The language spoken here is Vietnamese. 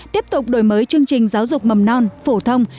tiếp tục đổi mới chương trình giáo dục mầm non phổ thông